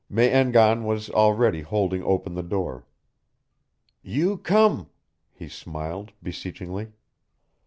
Me en gan was already holding open the door. "You come," he smiled, beseechingly.